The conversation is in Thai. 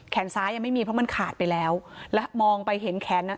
ซ้ายยังไม่มีเพราะมันขาดไปแล้วแล้วมองไปเห็นแขนอ่ะ